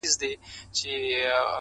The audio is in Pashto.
او ستا د ښكلي شاعرۍ په خاطر.